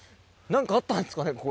何かあったんですかね